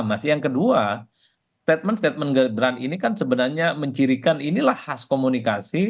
masih yang kedua statement statement gibran ini kan sebenarnya mencirikan inilah khas komunikasi